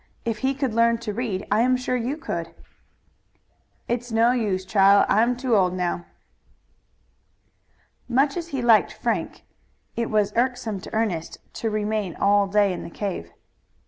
If he could learn to read I am sure you could." "It's no use, chile. I'm too old now." Much as he liked Frank, it was irksome to Ernest to remain all day in the cave.